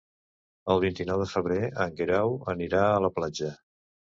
El vint-i-nou de febrer en Guerau anirà a la platja.